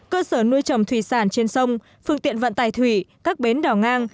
cơ sở nuôi trồng thủy sản trên sông phương tiện vận tài thủy các bến đảo ngang